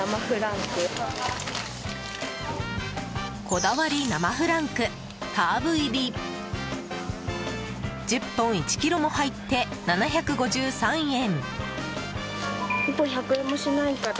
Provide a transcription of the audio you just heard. こだわり生フランクハーブ入り１０本、１ｋｇも入って７５３円。